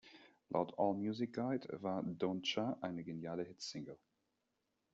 Laut All Music Guide war "Don’t Cha" eine „geniale Hit-Single“.